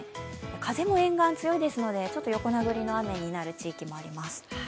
風も沿岸強いですのでちょっと横殴りの雨になる地域もあります。